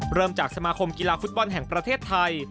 เริ่มจากสมาคมกีฬาฟุตบอลแห่งประเทศไทย